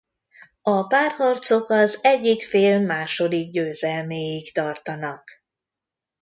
A párharcok az egyik fél második győzelméig tartanak.